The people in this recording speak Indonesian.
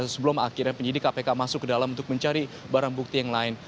sebelum akhirnya penyidik kpk masuk ke dalam untuk mencari barang bukti yang lain